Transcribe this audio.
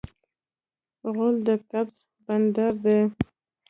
غول د قبض بندر دی.